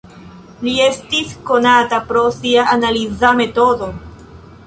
Li estis konata pro sia "Analiza Metodo".